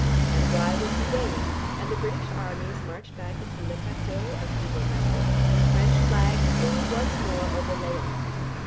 Cambrai was regained and the British armies marched back into Le Cateau of evil memory, and the French flag flew once more over Laon.